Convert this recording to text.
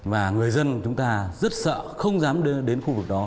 và người dân chúng ta rất sợ không dám đưa đến khu vực đó